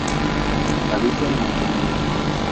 Habita en Montenegro.